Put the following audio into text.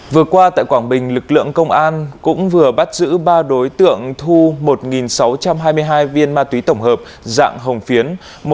vừa qua tại quảng bình lực lượng công an cũng vừa bắt giữ ba đối tượng thu một sáu trăm hai mươi hai viên ma túy tổng hợp dạng hồng phiến